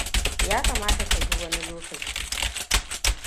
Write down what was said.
Ya kamata ka zo wani lokaci.